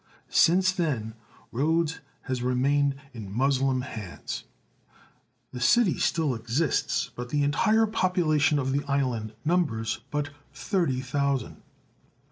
Since then Rhodes has remained in Moslem hands. The city still exists, 166 THE SEYEN WONDERS but the entire population of the island numbers but thirty thousand.